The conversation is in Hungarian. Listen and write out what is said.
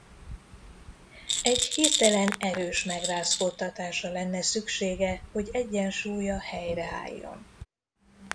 Egy hirtelen erős megrázkódtatásra lenne szüksége hogy egyensúlya helyre álljon.